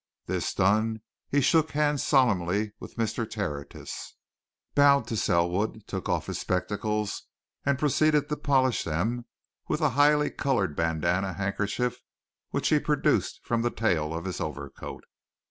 This done, he shook hands solemnly with Mr. Tertius, bowed to Selwood, took off his spectacles and proceeded to polish them with a highly coloured bandana handkerchief which he produced from the tail of his overcoat.